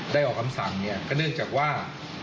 ออกคำสั่งเนี่ยก็เนื่องจากว่า